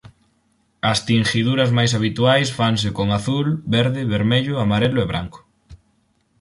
As tinguiduras máis habituais fanse con azul, verde, vermello, amarelo e branco.